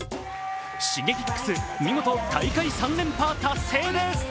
Ｓｈｉｇｅｋｉｘ、見事大会３連覇達成です。